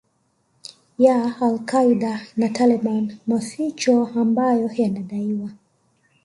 ya Al Qaeda na Taliban Maficho ambayo yanadaiwa